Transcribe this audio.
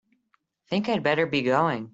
Think I'd better be going.